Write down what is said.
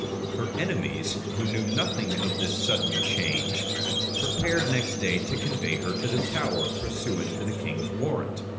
Her enemies, who knew nothing of this sudden change, prepared next day to convey her to the Tower, pursuant to the king's warrant.